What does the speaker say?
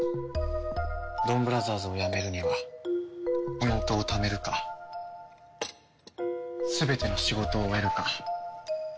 ドンブラザーズをやめるにはポイントをためるかすべての仕事を終えるかどっちかだ。